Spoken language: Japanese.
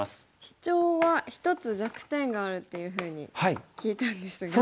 シチョウは一つ弱点があるっていうふうに聞いたんですが。